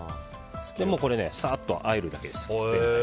これをさっとあえるだけです。